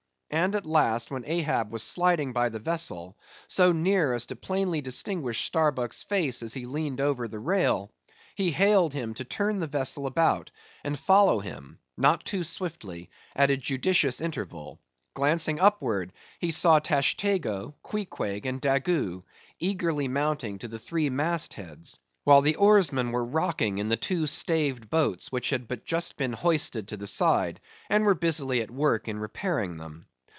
And at last when Ahab was sliding by the vessel, so near as plainly to distinguish Starbuck's face as he leaned over the rail, he hailed him to turn the vessel about, and follow him, not too swiftly, at a judicious interval. Glancing upwards, he saw Tashtego, Queequeg, and Daggoo, eagerly mounting to the three mast heads; while the oarsmen were rocking in the two staved boats which had but just been hoisted to the side, and were busily at work in repairing them.